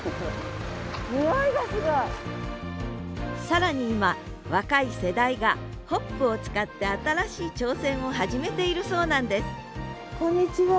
更に今若い世代がホップを使って新しい挑戦を始めているそうなんですこんにちは。